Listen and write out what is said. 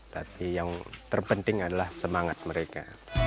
tapi yang terpenting adalah semangat mereka